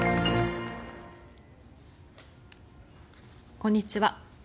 こんにちは。